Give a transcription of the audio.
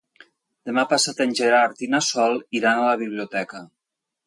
Demà passat en Gerard i na Sol iran a la biblioteca.